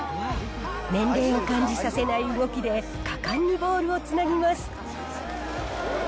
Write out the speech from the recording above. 年齢を感じさせない動きで、果敢にボールをつなぎます。